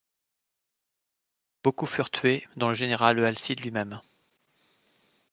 Beaucoup furent tués, dont le général Eualcide lui-même.